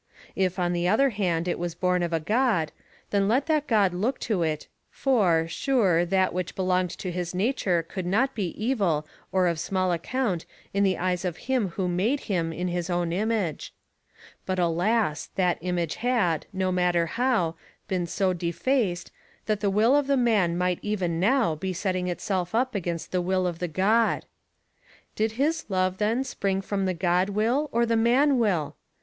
If on the other hand it was born of a God, then let that God look to it, for, sure, that which belonged to his nature could not be evil or of small account in the eyes of him who made him in his own image. But alas! that image had, no matter how, been so defaced, that the will of the man might even now be setting itself up against the will of the God! Did his love then spring from the God will or the man will?